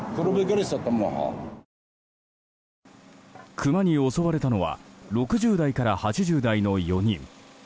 クマに襲われたのは６０代から８０代の４人。